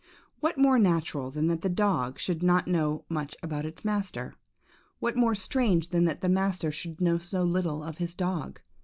What more natural than that the dog should not know much about his master? What more strange than that the master should know so little of his dog?